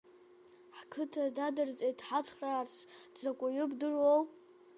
Ҳқыҭа дадырҵеит дҳацхраарц, дзакә уаҩу бдыруоу?